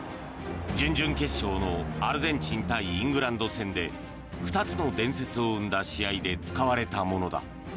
準々決勝のアルゼンチン対イングランド戦で２つの伝説を生んだ試合で使われたものだ。